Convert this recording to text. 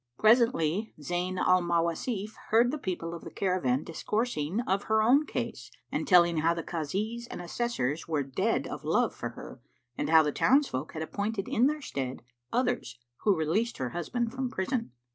Presently, Zayn al Mawasif heard the people of the caravan discoursing of her own case and telling how the Kazis and Assessors were dead of love for her and how the townsfolk had appointed in their stead others who released her husband from prison.